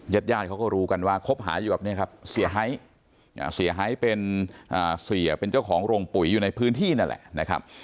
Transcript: เย็ดยาดเขาก็รู้กันว่าครบหาอยู่แบบนี้ครับเสียหายเป็นเจ้าของโรงปุ๋ยอยู่ในพื้นที่นั่นแหละ